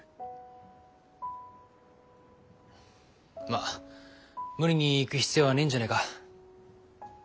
まっ無理に行く必要はねえんじゃねえか。